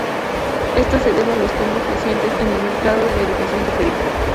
Esto se debe a los cambios recientes en el mercado de la educación superior.